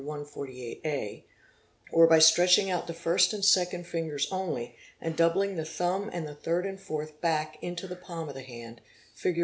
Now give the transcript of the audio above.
148a, or by stretching out the first and second fingers only and doubling the thumb and the third and fourth back into the palm ' of the hand, fig.